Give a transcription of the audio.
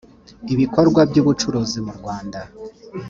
ibikorwa by’ ubucuruzi mu rwanda